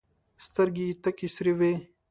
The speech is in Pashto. سترګي یې تکي سرې وې !